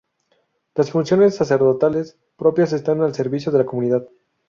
Las funciones sacerdotales propias están al servicio de la comunidad.